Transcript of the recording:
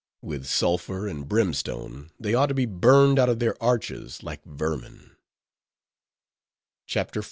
With sulphur and brimstone they ought to be burned out of their arches like vermin. CHAPTER XL.